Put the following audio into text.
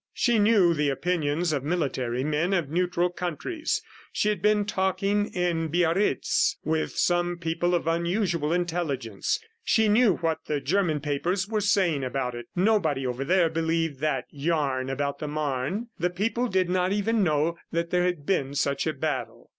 She knew the opinions of military men of neutral countries; she had been talking in Biarritz with some people of unusual intelligence; she knew what the German papers were saying about it. Nobody over there believed that yarn about the Marne. The people did not even know that there had been such a battle.